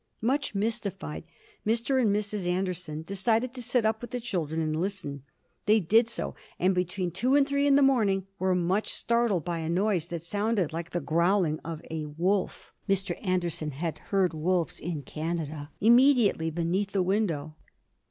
Much mystified, Mr. and Mrs. Anderson decided to sit up with the children and listen. They did so, and between two and three in the morning were much startled by a noise that sounded like the growling of a wolf Mr. Anderson had heard wolves in Canada immediately beneath the window.